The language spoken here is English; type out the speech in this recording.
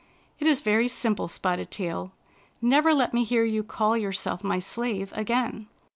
" It is very simple. Spotted Tail. Never let me hear you call yourself my slave again.